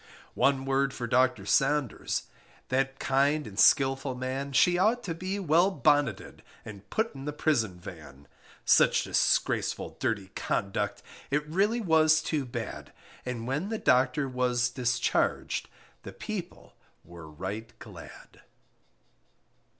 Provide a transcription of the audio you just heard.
One word for Docter Saunders That kind and skilful man She ought to be well bonneted And put in the prison van; Such disgraceful dirty conduct It really was too bad, And when the Docter was discharged The people were right glad.